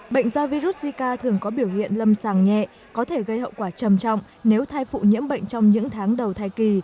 bệnh do virus zika thường có biểu hiện lâm sàng nhẹ có thể gây hậu quả trầm trọng nếu thai phụ nhiễm bệnh trong những tháng đầu thai kỳ